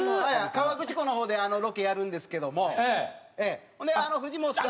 河口湖の方でロケやるんですけどもそれで藤本さん。